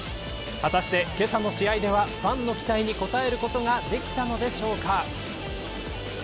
果たして、けさの試合ではファンの期待に応えることができたのでしょうか。